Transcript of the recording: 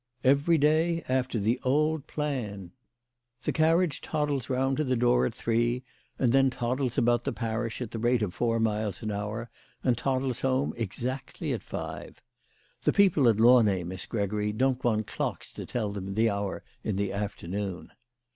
" "Every day, after the old plan. The carriage 184 THE LADY OF LAUNAY. toddles round to the door at three, and then toddles about the parish at the rate of four miles an hour, and toddles home exactly at five. The people at Launay, Miss Gregory, don't want clocks to tell them the hour in the afternoon."